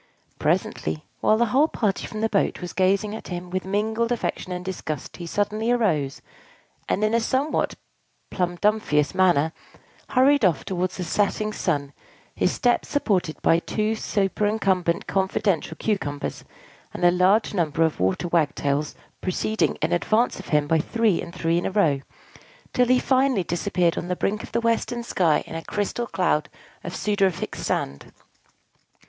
Presently, while the whole party from the boat was gazing at him with mingled affection and disgust, he suddenly arose, and, in a somewhat plumdomphious manner, hurried off towards the setting sun, his steps supported by two superincumbent confidential Cucumbers, and a large number of Waterwagtails proceeding in advance of him by three and three in a row, till he finally disappeared on the brink of the western sky in a crystal cloud of sudorific sand.